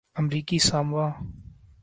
امریکی ساموآ